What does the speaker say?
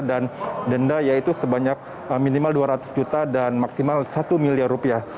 denda yaitu sebanyak minimal dua ratus juta dan maksimal satu miliar rupiah